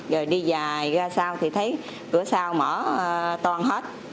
rồi đi dài ra sao thì thấy cửa sau mở toàn hết